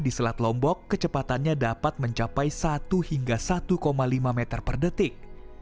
di selat lombok kecepatannya dapat mencapai satu hingga satu lima meter per detik